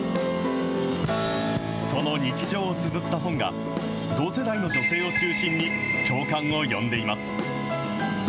その日常をつづった本が、同世代の女性を中心に共感を呼んでいます。